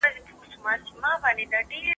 ایا په فضا کې د رڼا سرعت کمیږي؟